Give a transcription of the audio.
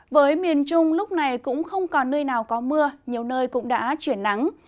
với miền trung lúc này cũng không còn nơi nào có mưa nhiều nơi cũng đã chuyển nắng